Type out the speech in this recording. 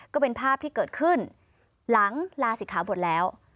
ก็เป็นภาพที่เกิดขึ้นหลังลาศิกขาบทแล้ว